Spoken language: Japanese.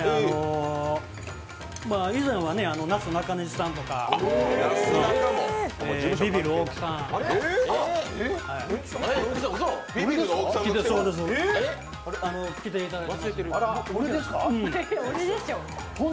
以前は、なすなかにしさんとかビビる大木さんに来ていただいて。